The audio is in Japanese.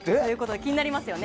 気になりますよね。